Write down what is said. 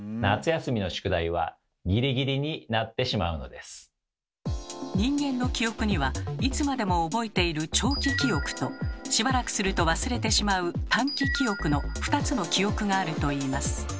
そのため人間の記憶にはいつまでも覚えている「長期記憶」としばらくすると忘れてしまう「短期記憶」の２つの記憶があるといいます。